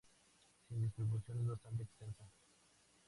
Su distribución es bastante extensa.